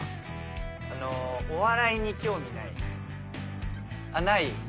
あのお笑いに興味ない？あっない？